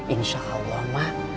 insya allah mak